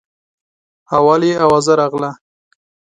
اول یې اوازه راغله.